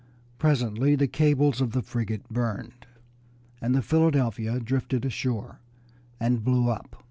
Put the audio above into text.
Presently the cables of the frigate burned, and the Philadelphia drifted ashore and blew up.